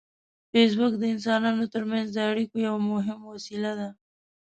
فېسبوک د انسانانو ترمنځ د اړیکو یو مهم وسیله ده